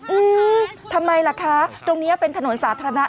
อืมทำไมล่ะคะตรงนี้เป็นถนนสาธารณะ